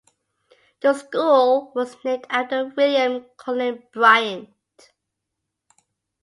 The school was named after William Cullen Bryant.